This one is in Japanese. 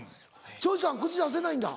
長州さん口出せないんだ。